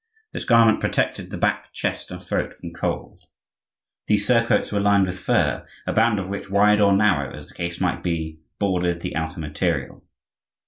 This garment protected the back, chest, and throat from cold. These surcoats were lined with fur, a band of which, wide or narrow as the case might be, bordered the outer material.